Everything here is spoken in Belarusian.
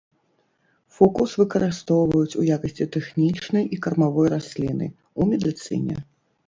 Фукус выкарыстоўваюць у якасці тэхнічнай і кармавой расліны, у медыцыне.